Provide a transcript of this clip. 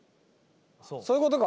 そういうことか！